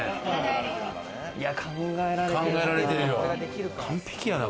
考えられてるな。